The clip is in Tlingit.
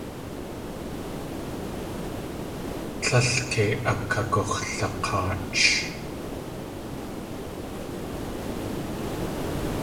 Tlél kei akagux̲lak̲aach.